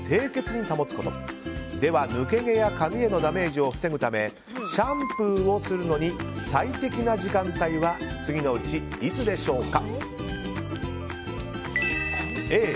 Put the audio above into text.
Ａ、家に帰ってすぐＢ、就寝前抜け毛や髪へのダメージを防ぐためシャンプーをするのに最適な時間帯は次のうち、いつでしょうか？